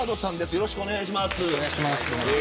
よろしくお願いします。